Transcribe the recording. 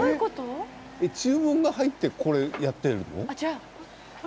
注文が入ってこれをやっているの？